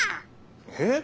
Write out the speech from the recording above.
えっ？